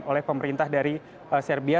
oleh pemerintah dari serbia